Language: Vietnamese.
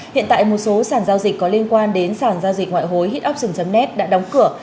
hiện tại một số sản giao dịch có liên quan đến sản giao dịch ngoại hối hit upion net đã đóng cửa